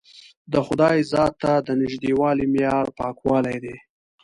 د خدای ذات ته د نژدېوالي معیار پاکوالی دی.